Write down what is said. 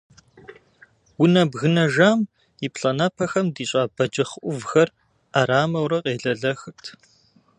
Унэ бгынэжам и плӏанэпэхэм дищӏа бэджыхъ ӏувхэр ӏэрамэурэ къелэлэхырт.